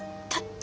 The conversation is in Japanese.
た